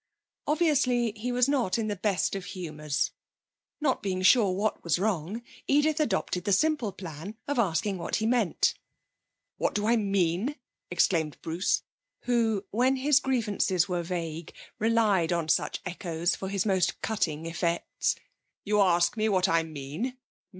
Obviously he was not in the best of humours. Not being sure what was wrong, Edith adopted the simple plan of asking what he meant. 'What do I mean!' exclaimed Bruce, who, when his grievances, were vague, relied on such echoes for his most cutting effects. 'You ask me what I mean?